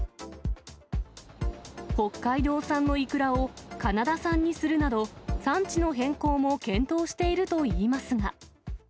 北海道産のいくらをカナダ産にするなど、産地の変更も検討しているといいますが。